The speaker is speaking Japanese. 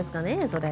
それ。